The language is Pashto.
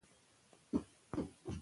تفریح هم اړینه ده.